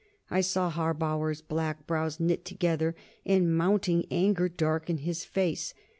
I saw Harbauer's black brows knit together, and mounting anger darken his face.